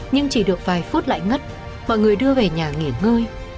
nhưng chỉ được vài phút lại ngất mọi người đưa về nhà nghỉ ngơi